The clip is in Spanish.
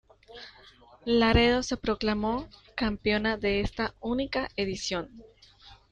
Laredo se proclamó campeona de esta única edición.